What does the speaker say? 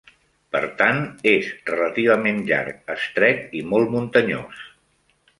Per tant, és relativament llarg, estret i molt muntanyós.